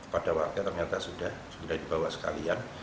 pada waktu ternyata sudah di bawah sekalian